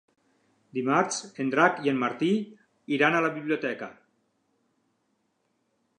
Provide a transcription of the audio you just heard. Dimarts en Drac i en Martí iran a la biblioteca.